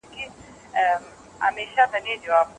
ډیجیټل وسایل د معلوماتو ساتلو لپاره غوره دي.